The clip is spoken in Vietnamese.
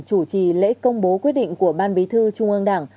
chủ trì lễ công bố quyết định của ban bí thư trung ương đảng